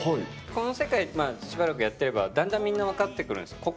この世界、しばらくやってれば、だんだんみんな分かってくるんです。